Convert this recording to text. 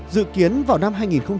dự kiến vào năm hai nghìn một mươi bảy